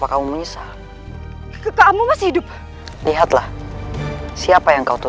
aduh kumat lagi